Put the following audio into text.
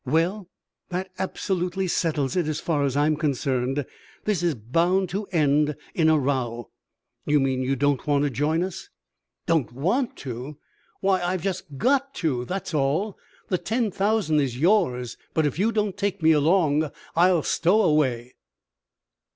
"Well, that absolutely settles it as far as I am concerned. This is bound to end in a row." "You mean you don't want to join us?" "Don't want to! Why, I've just got to, that's all. The ten thousand is yours, but if you don't take me along I'll stow away."